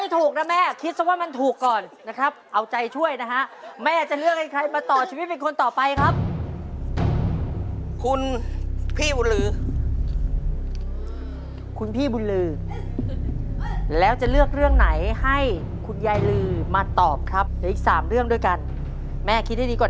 ถ้ารู้ว่าถูกถ้ารู้ว่าถูกลงเวฟ